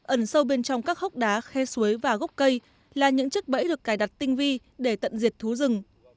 ẩn sâu bên trong các hốc đá khe suối và gốc cây là những chiếc bẫy được cài đặt tinh vi để tận diệt thú rừng